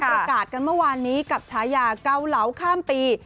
ประกาศกันเมื่อวานนี้กับฉายาเกาเหลาข้ามปี